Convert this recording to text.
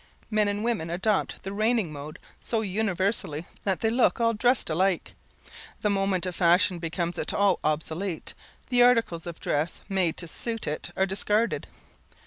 Men and women adopt the reigning mode so universally, that they look all dressed alike. The moment a fashion becomes at all obsolete, the articles of dress made to suit it are discarded.